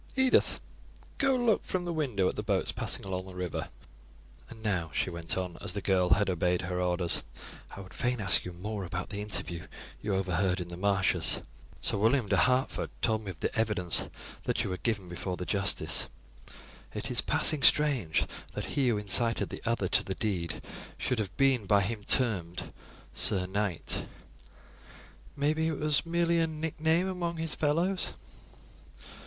"Edith, go and look from the window at the boats passing along the river; and now," she went on, as the girl had obeyed her orders, "I would fain ask you more about the interview you overhead in the marshes. Sir William de Hertford told me of the evidence that you had given before the justice. It is passing strange that he who incited the other to the deed should have been by him termed 'Sir Knight'. Maybe it was merely a nickname among his fellows."